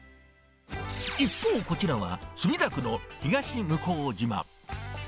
一方、こちらは墨田区の東向島。